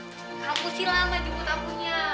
kamu silah mah jemput akunya